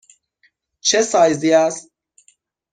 چه سایزی است؟